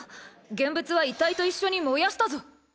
原物は遺体と一緒に燃やしたぞ。